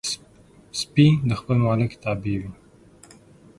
سپي د خپل مالک تابع وي.